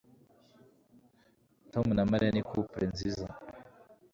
Tom na Mariya ni couple nziza